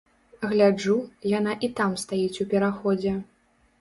Гляджу, яна і там стаіць у пераходзе.